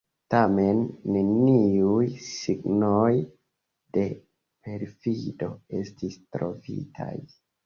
Tamen, neniuj signoj de perfido estis trovitaj.